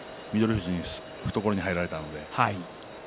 富士に懐に入られたので。